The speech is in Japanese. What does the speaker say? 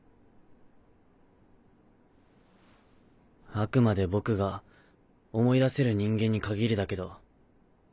あくまで僕が思い出せる人間に限りだけど。